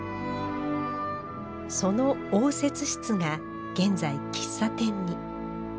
その応接室が現在喫茶店に。